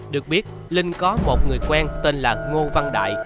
được biết linh có một người quen tên là ngô văn đại